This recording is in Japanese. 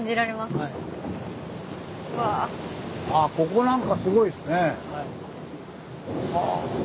あここなんかすごいですね。